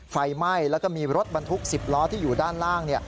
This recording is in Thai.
ไฟไหม้แล้วก็มีรถบรรทุก๑๐ล้อที่อยู่ด้านล่าง